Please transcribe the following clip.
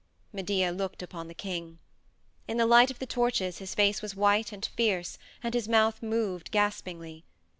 Medea looked upon the king. In the light of the torches his face was white and fierce and his mouth moved gaspingly.